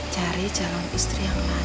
cari jalan istri yang lain